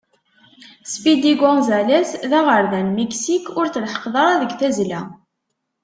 Speedy Gonzales, d aɣerda n Miksik ur tleḥḥqeḍ deg tazzla.